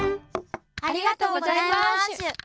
ありがとうございましゅ。